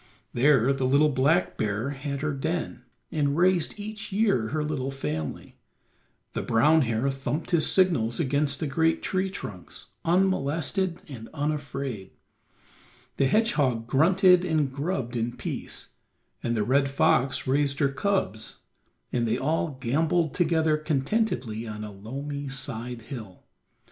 There the little black bear had her den and raised each year her little family, the brown hare thumped his signals against the great tree trunks unmolested and unafraid, the hedgehog grunted and grubbed in peace, and the red fox raised her cubs and they all gamboled together contentedly on a loamy side hill.